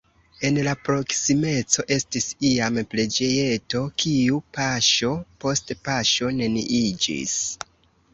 En la proksimeco estis iam preĝejeto, kiu paŝo post paŝo neniiĝis.